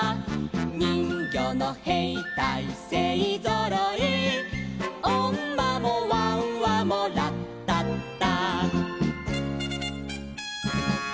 「にんぎょうのへいたいせいぞろい」「おんまもわんわもラッタッタ」